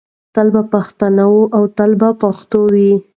تل به پښتانه وي او تل به پښتو وي.